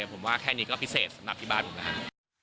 ผมว่าแค่นี้ก็พิเศษสำหรับที่บ้านผมนะครับ